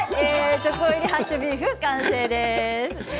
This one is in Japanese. チョコレート入りハッシュドビーフの完成です。